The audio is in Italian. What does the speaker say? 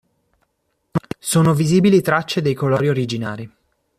Sono visibili tracce dei colori originari.